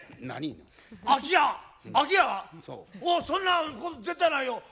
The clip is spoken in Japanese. そんなこと絶対ないよ。